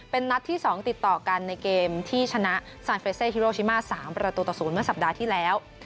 เป็นนัดที่สองติดต่อกันในเกมที่ชนะฮีโรชิม่าสามประตูต่อศูนย์เมื่อสัปดาห์ที่แล้ว